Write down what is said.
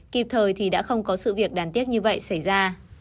kịp thời thì đã không có sự việc đáng tiếc như vậy xảy ra